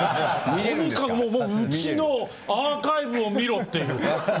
とにかくうちのアーカイブを見ろっていう。